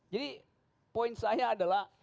jadi poin saya adalah